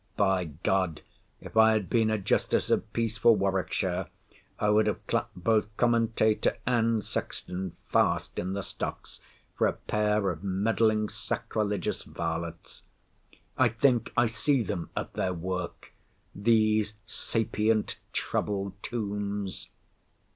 By ——, if I had been a justice of peace for Warwickshire, I would have clapt both commentator and sexton fast in the stocks, for a pair of meddling sacrilegious varlets. I think I see them at their work—these sapient trouble tombs.